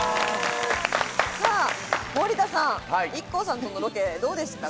森田さん、ＩＫＫＯさんとのロケどうでしたか？